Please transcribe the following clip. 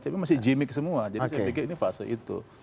tapi masih gimmick semua jadi saya pikir ini fase itu